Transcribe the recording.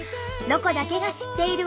「ロコだけが知っている」。